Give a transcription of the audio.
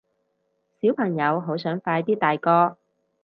小朋友好想快啲大個